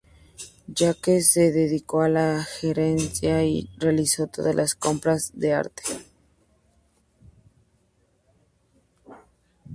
Jacques se dedicó a la gerencia ya realizar todas las compras de arte.